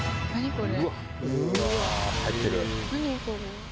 これ。